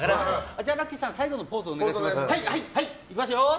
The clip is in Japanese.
じゃあラッキィさん最後のポーズお願いしますいきますよー！